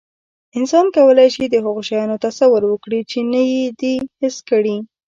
انسان کولی شي، د هغو شیانو تصور وکړي، چې نه یې دي حس کړي.